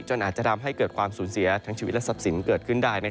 อาจจะทำให้เกิดความสูญเสียทั้งชีวิตและทรัพย์สินเกิดขึ้นได้